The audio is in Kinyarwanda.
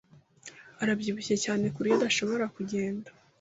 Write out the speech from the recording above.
arabyibushye cyane kuburyo adashobora kugenda.